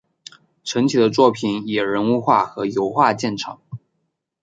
陈奇的作品以人物画和油画见长。